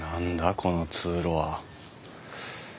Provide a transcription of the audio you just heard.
この通路は。